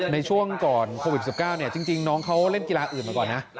ในช่วงก่อนโควิด๑๙จริงน้องเขาเล่นกีฬาอื่นมาก่อนนะ